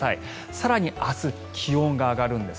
更に明日、気温が上がるんです。